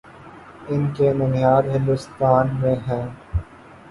ان کے ننھیال ہندوستان میں ہیں۔